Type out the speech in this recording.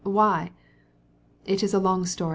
why?" "It's a long story.